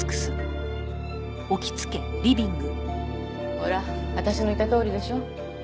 ほら私の言ったとおりでしょ。